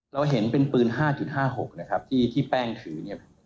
เราเห็นเป็นปืน๕๕๖นะครับที่แป้งถือเนี่ย